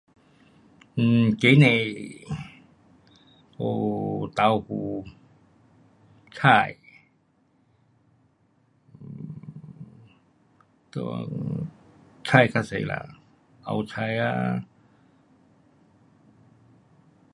um 鸡蛋，有豆腐，菜，um 菜较多啦，包菜啊。